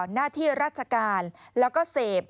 หน้าที่ราชการแล้วก็เสพ